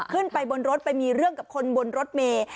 ขึ้นไปบนรถไปมีเรื่องกับคนบนรถเมย์